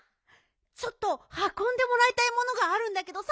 ちょっとはこんでもらいたいものがあるんだけどさ。